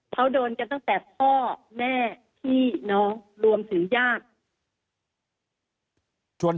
เขาโดนกันตั้งแต่พ่อแม่พี่น้องรวมถึงญาติ